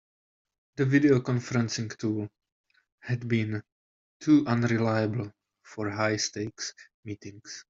The video conferencing tool had been too unreliable for high-stakes meetings.